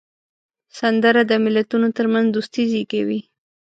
سندره د ملتونو ترمنځ دوستي زیږوي